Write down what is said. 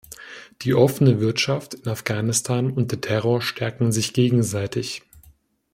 Die offene Wirtschaft in Afghanistan und der Terror stärken sich gegenseitig.